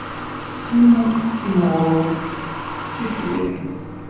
Simmal tettimƔur, tetticbiḥ.